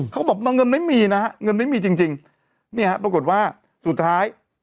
เขาบอกเงินไม่มีนะฮะเงินไม่มีจริงจริงเนี่ยฮะปรากฏว่าสุดท้าย